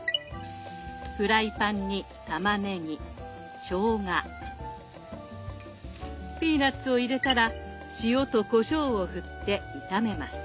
フライパンにたまねぎしょうがピーナッツを入れたら塩とこしょうをふって炒めます。